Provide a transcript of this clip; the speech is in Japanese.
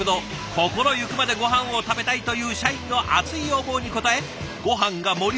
「心ゆくまでごはんを食べたい」という社員の熱い要望に応えごはんが盛り